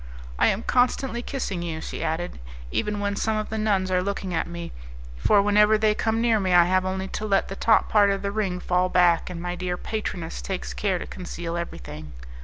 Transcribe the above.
"I am constantly kissing you," she added, "even when some of the nuns are looking at me, for whenever they come near me I have only to let the top part of the ring fall back and my dear patroness takes care to conceal everything.